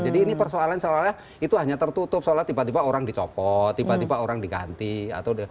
jadi ini persoalan soalnya itu hanya tertutup soalnya tiba tiba orang dicopot tiba tiba orang diganti atau